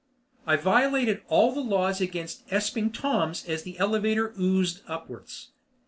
I violated all the laws against Esping Toms as the elevator oozed upwards.